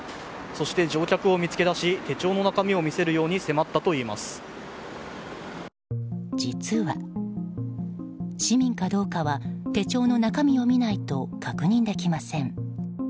そして、乗客を見つけ出し手帳の中身を見せるように実は、市民かどうかは手帳の中身を見ないと確認できません。